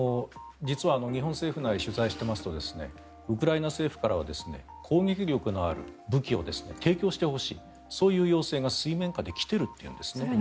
実は日本政府内を取材していますとウクライナ政府からは攻撃力のある武器を提供してほしいそういう要請が水面下で来ているというんですね。